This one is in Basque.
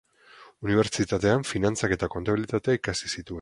Unibertsitatean finantzak eta kontabilitatea ikasi zituen.